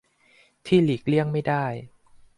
ที่หลีกเลี่ยงไม่ได้